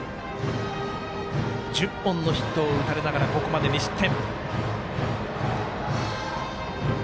１０本のヒットを打たれながらここまで２失点。